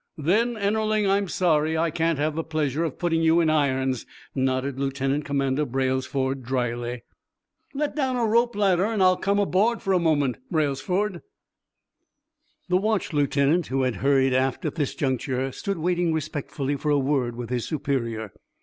"Then, Ennerling, I'm sorry I can't have the pleasure of putting you in irons," nodded Lieutenant Commander Braylesford, dryly. "Let down a rope ladder, and I'll come aboard for a moment, Braylesford." The watch lieutenant, who had hurried aft at this juncture, stood waiting respectfully for a word with his superior.